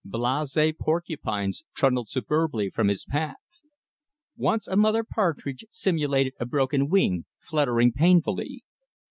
Blase porcupines trundled superbly from his path. Once a mother partridge simulated a broken wing, fluttering painfully.